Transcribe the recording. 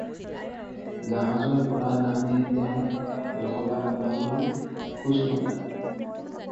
জাহাজৰ পৰা নামিয়েই তেওঁ জখলাবন্ধালৈ খোজ ল'লে।